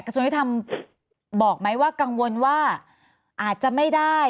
กระทรวงยุทธรรมบอกไหมว่ากังวลว่าอาจจะไม่ได้